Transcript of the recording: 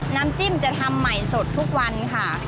น้ำจิ้มจะทำใหม่สดทุกวันค่ะ